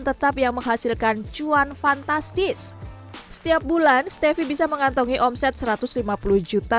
tetap yang menghasilkan cuan fantastis setiap bulan stefi bisa mengantongi omset satu ratus lima puluh juta